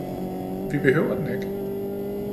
Vi behøver den ikke